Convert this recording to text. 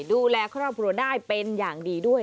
ดูแลครอบครัวได้เป็นอย่างดีด้วย